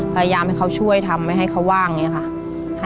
พยายามให้เขาช่วยทำไม่ให้เขาว่างอย่างนี้ค่ะ